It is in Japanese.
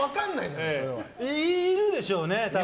いるでしょうね、多分。